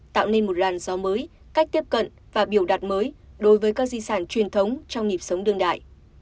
tạo nên một làn gió mới cách tiếp cận và biểu đạt mới đối với các di sản truyền thống trong nhịp sống đương đại